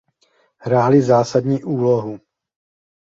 Hráli zásadní úlohu.